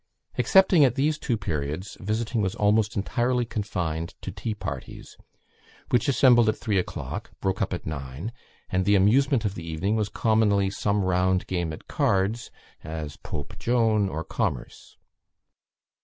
Excepting at these two periods, visiting was almost entirely confined to tea parties, which assembled at three o'clock, broke up at nine, and the amusement of the evening was commonly some round game at cards, as Pope Joan, or Commerce.